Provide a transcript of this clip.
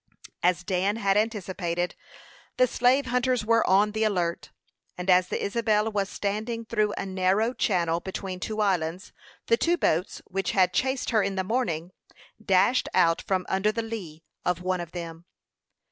As Dan had anticipated, the slave hunters were on the alert; and as the Isabel was standing through a narrow channel between two islands, the two boats, which had chased her in the morning, dashed out from under the lea of one of them.